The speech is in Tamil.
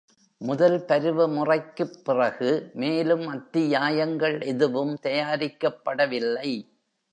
முதல் பருவமுறைக்குப் பிறகு மேலும் அத்தியாயங்கள் எதுவும் தயாரிக்கப்படவில்லை.